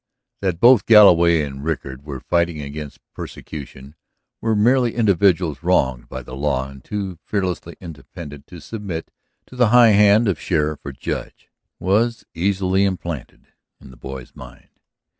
That both Galloway and Rickard were fighting against persecution, were merely individuals wronged by the law and too fearlessly independent to submit to the high hand of sheriff or judge, was easily implanted in the boy's mind.